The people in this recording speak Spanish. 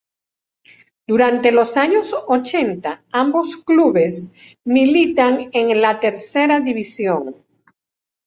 Durante los años ochenta ambos clubs militan en la tercera división.